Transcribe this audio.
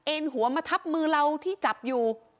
หัวมาทับมือเราที่จับอยู่